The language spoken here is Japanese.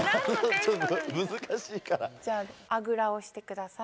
じゃああぐらをしてください。